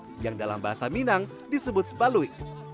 yang dalam bahasa minang disebut balui